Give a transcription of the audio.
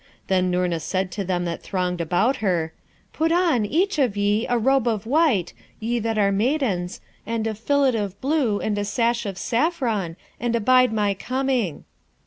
Then Noorna said to them that thronged about her, 'Put on, each of ye, a robe of white, ye that are maidens, and a fillet of blue, and a sash of saffron, and abide my coming.'